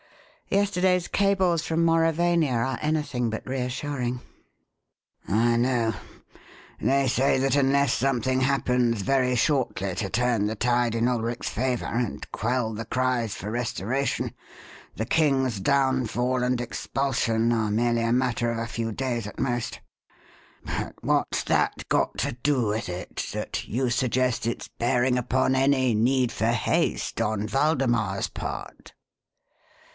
Yesterday's cables from Mauravania are anything but reassuring." "I know. They say that unless something happens very shortly to turn the tide in Ulric's favour and quell the cries for 'Restoration,' the King's downfall and expulsion are merely a matter of a few days at most. But what's that got to do with it that you suggest its bearing upon any need for haste on Waldemar's part?"